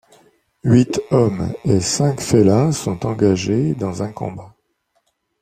Huit hommes et cinq félins sont engagés dans un combat.